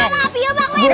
maaf ya bang mehmet